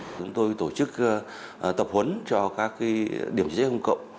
chúng tôi tổ chức tập huấn cho các điểm chữa cháy công cộng